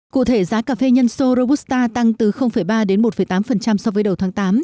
cụ thể giá cà phê nhân sô robusta tăng từ ba đến một tám so với đầu tháng tám